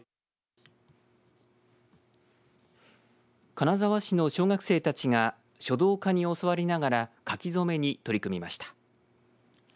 金沢市の小学生たちが書道家に教わりながら書き初めに取り組みました。